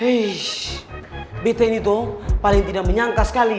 heish btc ini tuh paling tidak menyangka sekali ya